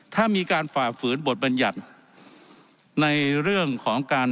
ถ้ามีการฝ่าฝืนบทบัญญัติในเรื่องของการ